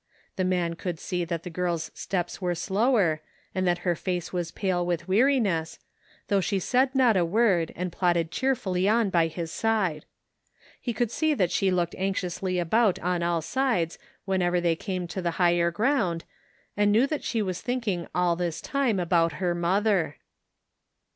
The man could see that the girl's steps were slower, and that her face was pale with weariness, though she said not a word and plodded cheerfully on by his side. He could see that she looked anxiously about on all sides when ever they came to the higher groimd, and knew that she was thinking all this time of her mother.